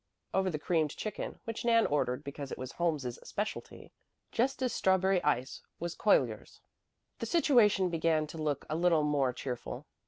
Over the creamed chicken, which Nan ordered because it was Holmes's "specialty," just as strawberry ice was Cuyler's, the situation began to look a little more cheerful.